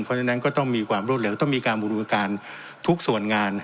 เพราะฉะนั้นก็ต้องมีความรวดเร็วต้องมีการบูรณการทุกส่วนงาน